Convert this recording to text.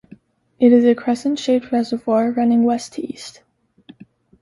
It is a crescent-shaped reservoir running west to east.